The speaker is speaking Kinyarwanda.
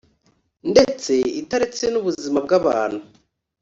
ndetse itaretse n’ubuzima bw’abantu